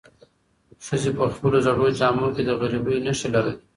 ښځې په خپلو زړو جامو کې د غریبۍ نښې لرلې.